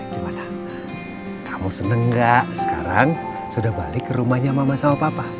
gimana kamu seneng gak sekarang sudah balik ke rumahnya mama sama papa